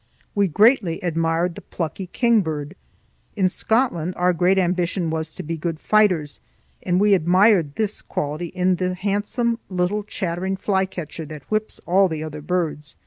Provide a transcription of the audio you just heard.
We greatly admired the plucky kingbird. In Scotland our great ambition was to be good fighters, and we admired this quality in the handsome little chattering flycatcher that whips all the other birds.